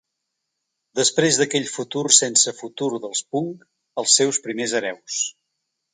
Després d’aquell futur sense futur dels punk, els seus primers hereus.